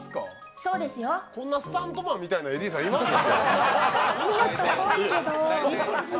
こんなスタントマンみたいなＡＤさんいますか？